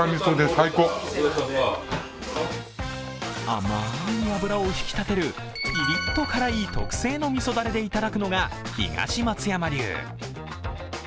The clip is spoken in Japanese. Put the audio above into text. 甘い脂を引き立てるピリッと辛い特製のみそだれでいただくのが東松山流。